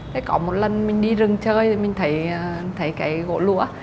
thế có một lần mình đi rừng chơi thì mình thấy cái gỗ lũa